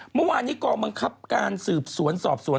เมื่อวานนี้กองบังคับการสืบสวนสอบสวน